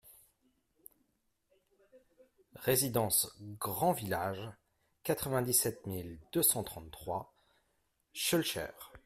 Résidence Grand Village, quatre-vingt-dix-sept mille deux cent trente-trois Schœlcher